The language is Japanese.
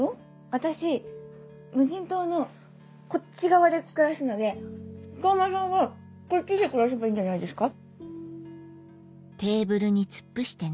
私無人島のこっち側で暮らすので鹿浜さんはこっちで暮らせばいいんじゃないですか？